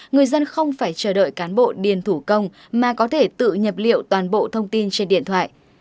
người dân không phải chờ đợi cán bộ điền thủ công mà có thể tự nhập liệu toàn bộ thông tin trên điện thoại